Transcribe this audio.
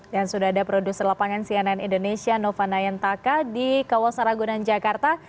dan sudah ada produser lapangan cnn indonesia nova nayantaka di kawasaragunan jakarta